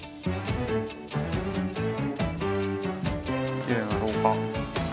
きれいな廊下。